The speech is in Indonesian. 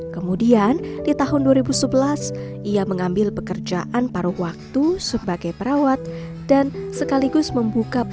kemudian di tahun dua ribu sebelas ia mengambil pekerjaan paruh waktu sebagai perawat dan sekaligus membuka pelayanan